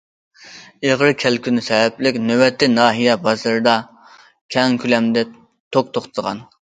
ئېغىر كەلكۈن سەۋەبلىك، نۆۋەتتە ناھىيە بازىرىدا كەڭ كۆلەمدە توك توختىغان.